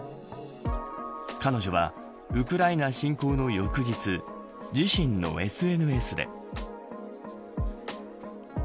彼女はウクライナ侵攻の翌日自身のＳＮＳで。